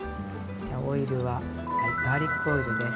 オイルはガーリックオイルです。